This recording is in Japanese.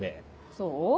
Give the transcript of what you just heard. そう？